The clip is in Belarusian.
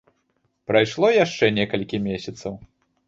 Прайшло яшчэ некалькі месяцаў.